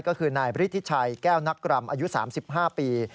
ก็คือนายบริธิชัยแก้วนักรำอายุ๓๕ปี